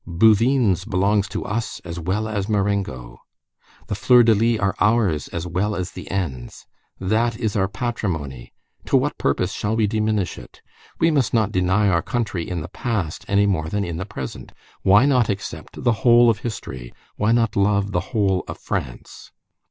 Bouvines belongs to us as well as Marengo. The fleurs de lys are ours as well as the N's. That is our patrimony. To what purpose shall we diminish it? We must not deny our country in the past any more than in the present. Why not accept the whole of history? Why not love the whole of France?"